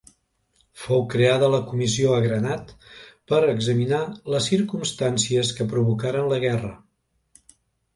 Fou creada la Comissió Agranat per a examinar les circumstàncies que provocaren la guerra.